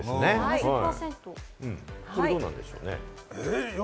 これ、どうなんでしょうね？